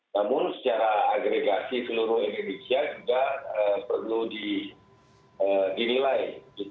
namun secara agregasi seluruh indonesia juga perlu dinilai